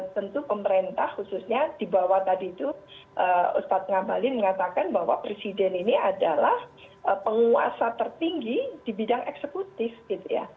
tentu pemerintah khususnya di bawah tadi itu ustadz ngabalin mengatakan bahwa presiden ini adalah penguasa tertinggi di bidang eksekutif gitu ya